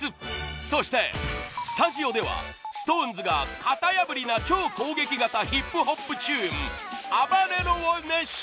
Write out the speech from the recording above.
そして、スタジオではＳｉｘＴＯＮＥＳが型破りな超攻撃型ヒップホップチューン「ＡＢＡＲＥＲＯ」を熱唱！